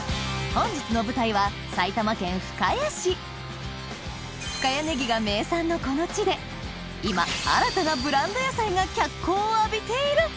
本日の舞台は深谷ねぎが名産のこの地で今が脚光を浴びている！